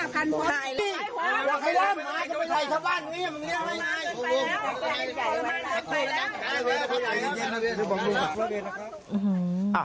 ค่ะ